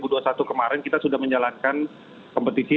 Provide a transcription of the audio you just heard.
itu kemarin kita sudah menjalankan kompetisi